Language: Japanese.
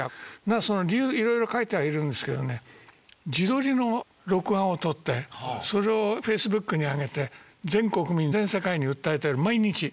その理由色々書いてはいるんですけどね自撮りの録画をとってそれをＦａｃｅｂｏｏｋに上げて全国民全世界に訴えてる毎日。